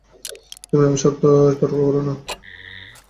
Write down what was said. তুমি আমার সাথে তর্ক করো না।